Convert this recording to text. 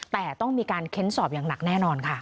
แต่ต้องมีการเค้นสอบอย่างหนักแน่นอนค่ะ